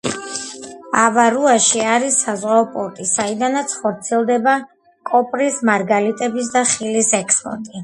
ავარუაში არის საზღვაო პორტი, საიდანაც ხორციელდება კოპრის, მარგალიტების და ხილის ექსპორტი.